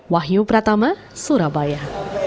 wahyu pratama surabaya